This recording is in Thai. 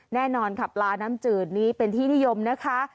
แน่นอนค่ะปลาน้ำจืดนี้เป็นที่นิยมนะคะ